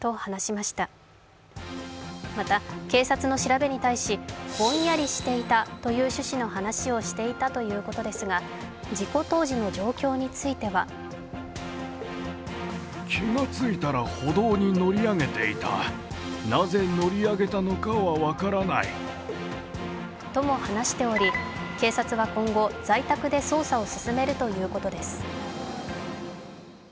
また、警察の調べに対しぼんやりしていたという趣旨の話をしていたということですが、事故当時の状況についてはとも話しており、警察は今後、在宅で捜査を進めるということです。